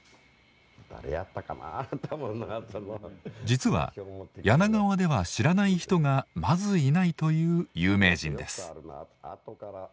実は柳川では知らない人がまずいないという有名人です。